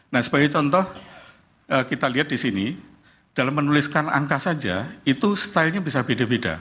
nah sebagai contoh kita lihat di sini dalam menuliskan angka saja itu stylenya bisa beda beda